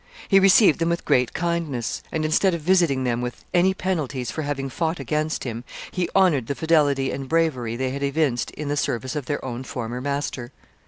He received them with great kindness, and, instead of visiting them with any penalties for having fought against him, he honored the fidelity and bravery they had evinced in the service of their own former master.